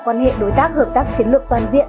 quan hệ đối tác hợp tác chiến lược toàn diện